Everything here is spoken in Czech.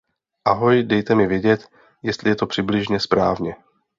Ahoj, dejte mi vědět, jestli je to přibližně správně.